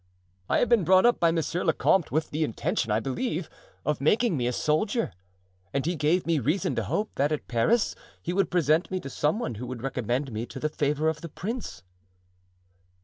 I have been brought up by monsieur le comte with the intention, I believe, of making me a soldier; and he gave me reason to hope that at Paris he would present me to some one who would recommend me to the favor of the prince."